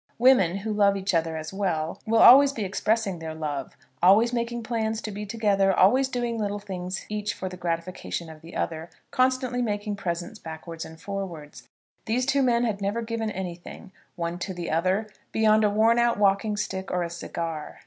Women, who love each other as well, will always be expressing their love, always making plans to be together, always doing little things each for the gratification of the other, constantly making presents backwards and forwards. These two men had never given any thing, one to the other, beyond a worn out walking stick, or a cigar.